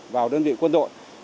vào đơn vị quân đội